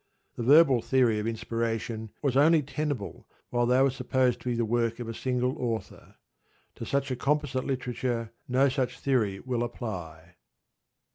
_ The verbal theory of inspiration was only tenable while they were supposed to be the work of a single author. _To such a composite literature no such theory will apply.